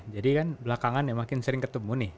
jadi kan belakangan ya makin sering ketemu nih